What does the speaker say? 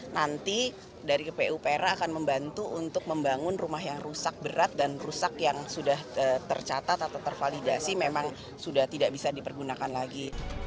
nanti dari kpu pera akan membantu untuk membangun rumah yang rusak berat dan rusak yang sudah tercatat atau tervalidasi memang sudah tidak bisa dipergunakan lagi